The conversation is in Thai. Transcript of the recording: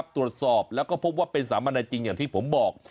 ตรวจสอบแล้วก็พบว่าเป็นสามนาจริงอย่างที่ผมบอก